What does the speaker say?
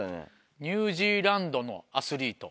ニュージーランドのアスリート。